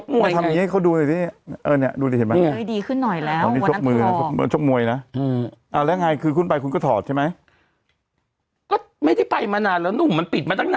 ไม่คืออันนี้ก็ตอบไม่ได้